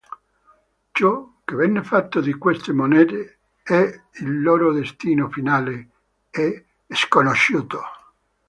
Ciò che venne fatto di queste monete e il loro destino finale è sconosciuto.